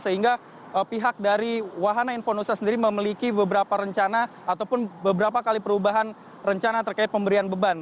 sehingga pihak dari wahana infonusa sendiri memiliki beberapa rencana ataupun beberapa kali perubahan rencana terkait pemberian beban